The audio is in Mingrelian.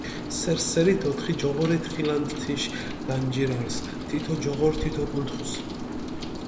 სერ-სერით ოთხი ჯოღორი თხილანდჷ თიშ დანჯირალს, თითო ჯოღორი თითო კუნთხუს.